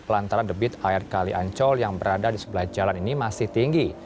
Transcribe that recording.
lantaran debit air kali ancol yang berada di sebelah jalan ini masih tinggi